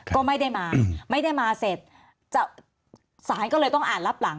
ก็ไม่ได้มาไม่ได้มาเสร็จศาลก็เลยต้องอ่านรับหลัง